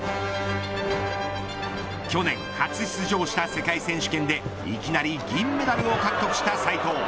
去年初出場した世界選手権でいきなり銀メダルを獲得した斉藤。